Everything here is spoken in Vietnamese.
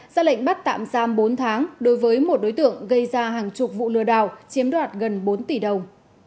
ra lệnh bắt tạm giam bốn tháng đối với một đối tượng gây ra hàng chục vụ lừa đảo chiếm đoạt gần bốn tỷ đồng